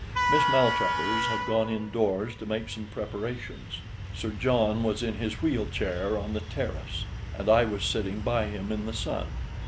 Miss Maltravers had gone indoors to make some preparation, Sir John was in his wheel chair on the terrace, and I was sitting by him in the sun.